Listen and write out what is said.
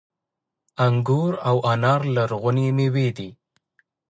انګور او انار لرغونې میوې دي